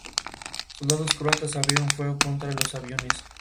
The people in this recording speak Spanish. Soldados croatas abrieron fuego contra los aviones.